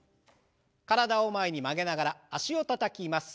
体を前に曲げながら脚をたたきます。